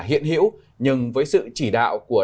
hiện hữu nhưng với sự chỉ đạo của